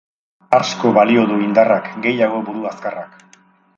Asko balio du indarrak, gehiago buru azkarrak.